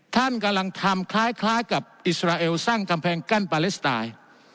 ท่านกำลังทำคล้ายกับอิสราเอลสร้างกำแพงกั้นปาเลสไตล์